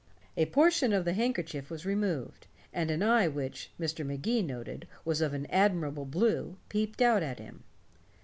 A portion of the handkerchief was removed, and an eye which, Mr. Magee noted, was of an admirable blue, peeped out at him.